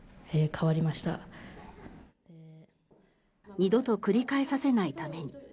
二度と繰り返させないために。